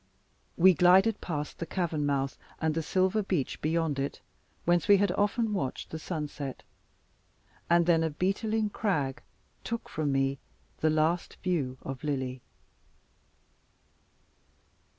We glided past the cavern mouth, and the silver beach beyond it, whence we had often watched the sunset; and then a beetling crag took from me the last view of Lily.